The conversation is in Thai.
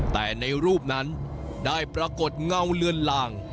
แต่ในรูปนั้นได้ปรากฏเงาเลือนลาง